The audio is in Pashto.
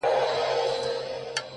د عشق اور يې نور و عرش ته په پرواز دی-